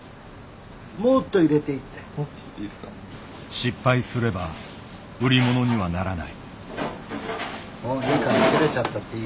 失敗すれば売り物にはならない。